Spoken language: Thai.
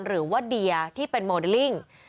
หรือว่าเดียที่เป็นโมเดลลิ่ง